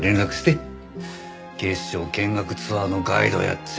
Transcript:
警視庁見学ツアーのガイドやっちゃう。